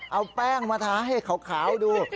เอาแป้งมาทาให้ขาวดู